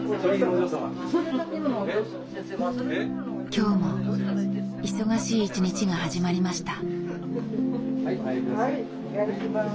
今日も忙しい一日が始まりました。